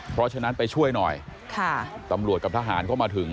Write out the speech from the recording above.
เพราะฉะนั้นไปช่วยหน่อยค่ะตำรวจกับทหารเข้ามาถึง